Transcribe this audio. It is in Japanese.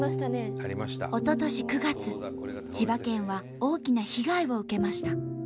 おととし９月千葉県は大きな被害を受けました。